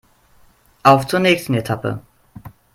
Auf zur nächsten Etappe